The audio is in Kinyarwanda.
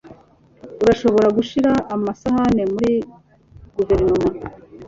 Urashobora gushira amasahani muri guverenema?